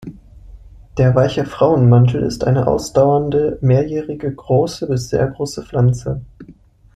Der Weiche Frauenmantel ist eine ausdauernde, mehrjährige, große bis sehr große Pflanze.